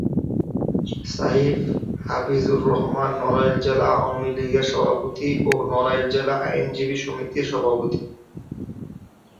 সাইফ হাফিজুর রহমান নড়াইল জেলা আওয়ামী লীগের সহসভাপতি ও নড়াইল জেলা আইনজীবী সমিতির সভাপতি।